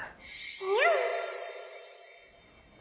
にゃん！